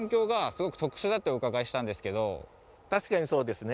確かにそうですね。